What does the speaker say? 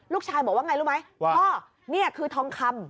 ลูกชายบอกว่าไงรู้ไหมว่าพ่อนี่คือทองคำ